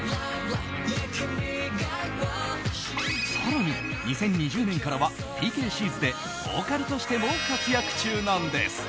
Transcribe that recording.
更に２０２０年からはＰＫＣＺでボーカルとしても活躍中なんです。